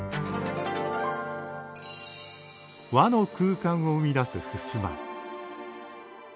和の空間を生み出す襖。